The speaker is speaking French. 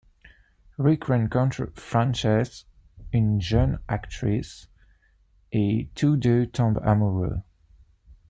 Rick rencontre Frances, une jeune actrice, et tous deux tombent amoureux.